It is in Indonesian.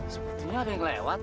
sepertinya ada yang lewat